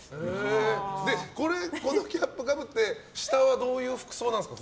このキャップをかぶって下はどういう服装なんですか？